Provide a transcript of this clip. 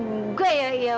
enggak ya ya